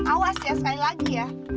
awas ya sekali lagi ya